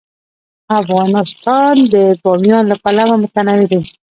افغانستان د بامیان له پلوه متنوع دی.